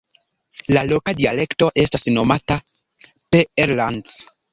La loka dialekto estas nomata Peellands.